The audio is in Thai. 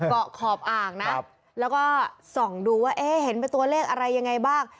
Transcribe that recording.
ขอบอ่างนะแล้วก็ส่องดูว่าเอ๊ะเห็นเป็นตัวเลขอะไรยังไงบ้าง